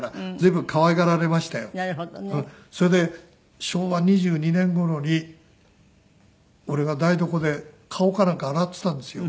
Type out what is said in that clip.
それで昭和２２年頃に俺が台所で顔かなんか洗ってたんですよ。